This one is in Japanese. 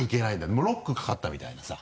もうロックかかったみたいなさ。